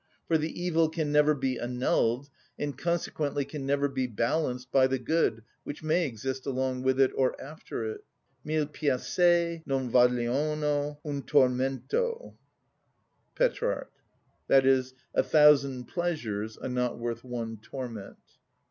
For the evil can never be annulled, and consequently can never be balanced by the good which may exist along with it or after it. "Mille piacer' non vagliono un tormento."—Petr. (A thousand pleasures are not worth one torment.)